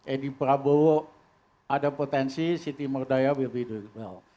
edi prabowo ada potensi siti nurdaya will be doing well